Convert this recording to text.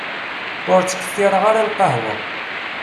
Ur ttkettireɣ ara lqahwa.